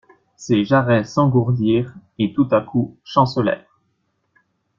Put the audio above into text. Ses jarrets s'engourdirent, et, tout à coup, chancelèrent.